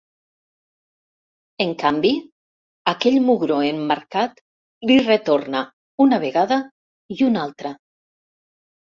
En canvi, aquell mugró emmarcat li retorna una vegada i una altra.